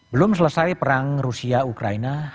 belum selesai perang rusia ukraina